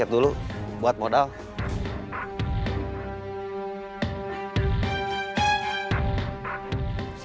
tetapi kalau diuji hubungan saya